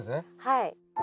はい。